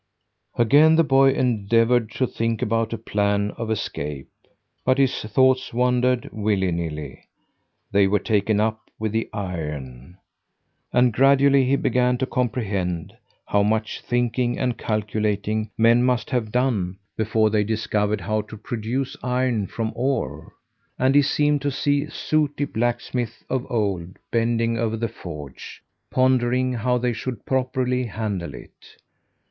Again the boy endeavoured to think out a plan of escape, but his thoughts wandered, willy nilly. They were taken up with the iron. And gradually he began to comprehend how much thinking and calculating men must have done before they discovered how to produce iron from ore, and he seemed to see sooty blacksmiths of old bending over the forge, pondering how they should properly handle it.